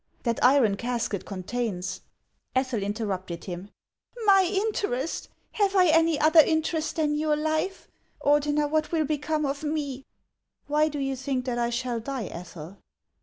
That iron casket contains —" Ethel interrupted him :" My interest ! Have I any other interest than your life ? Ordener, what will become of me ?"" Why do you think that I shall die, Ethel